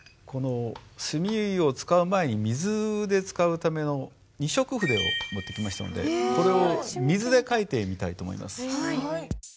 墨を使う前に水で使うための二色筆を持ってきましたのでこれを水で書いてみたいと思います。